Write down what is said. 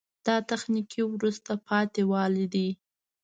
دا تخنیکي وروسته پاتې والی ده.